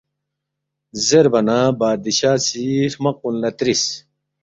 زیربا نہ بادشاہ سی ہرمق کُن لہ ترِس،